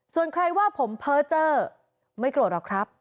ส่วนใครว่าผมเพ้อเจอร์ไม่โกรธหรอกครับ